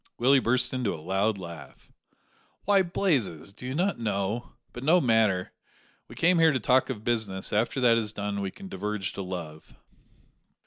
Willie burst into a loud laugh. "Why, Blazes, do you not know ? But, no matter; we came here to talk of business; after that is done we can diverge to love."